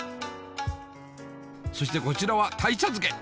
そしてこちらは鯛茶漬け！